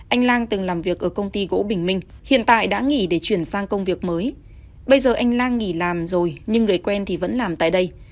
anh lang từng làm việc ở công ty gỗ bình minh hiện tại đã nghỉ để chuyển sang công việc mới bây giờ anh lan nghỉ làm rồi nhưng người quen thì vẫn làm tại đây